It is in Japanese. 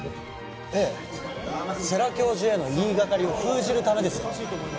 ええ世良教授への言いがかりを封じるためです